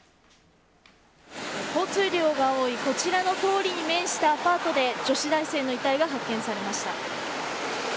交通量が多いこちらの通りに面したアパートで女子大生の遺体が発見されました。